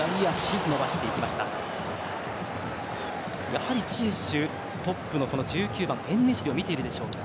やはりジエシュトップの１９番のエンネシリを見ているでしょうか。